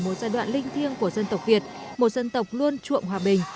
một giai đoạn linh thiêng của dân tộc việt một dân tộc luôn chuộng hòa bình